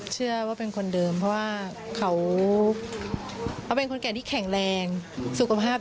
เชื่อว่าเป็นคนเดิมเพราะว่าเขาเป็นคนแก่ที่แข็งแรงสุขภาพ